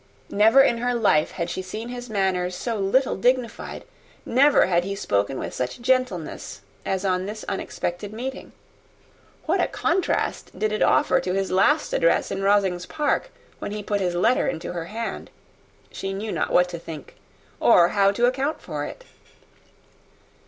Never in her life had she seen his manners so little dignified, never had he spoken with such gentleness as on this unexpected meeting. What a contrast did it offer to his last address in Rosings Park, when he put his letter into her hand! She knew not what to think, or how to account for it.